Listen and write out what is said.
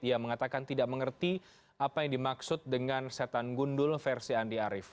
ia mengatakan tidak mengerti apa yang dimaksud dengan setan gundul versi andi arief